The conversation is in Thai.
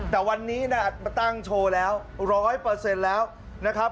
แต่วันนี้มาตั้งโชว์แล้ว๑๐๐แล้วนะครับ